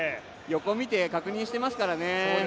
横見て確認してますからね。